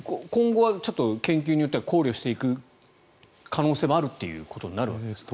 今後は研究によっては考慮していく可能性もあるということになるわけですか？